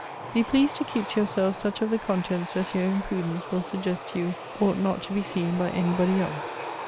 Be pleased to keep to yourself such of the contents as your own prudence will suggest to you ought not to be seen by any body else.